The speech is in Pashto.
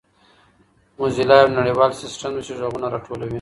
موزیلا یو نړیوال سیسټم دی چې ږغونه راټولوي.